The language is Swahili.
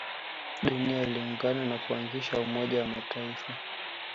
dunia iliungana na kuanzisha umoja wa mataifa